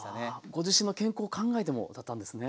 ご自身の健康を考えてもだったんですね。